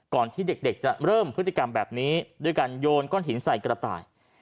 ที่เด็กจะเริ่มพฤติกรรมแบบนี้ด้วยการโยนก้อนหินใส่กระต่าย